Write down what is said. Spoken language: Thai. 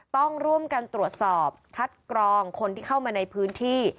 ต้องร่วมกันตรวจสอบคัดกรองคนที่เข้ามาในพื้นที่